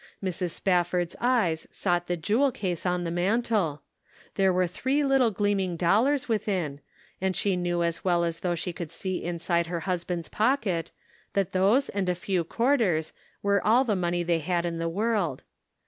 Mrs. Spaf ford's eyes sought the jewel case on the mantel, There were three little gleaming dollars within, and she knew as well as though she could see inside her husband's pocket, that those and a few quarters were all the money they had in the world.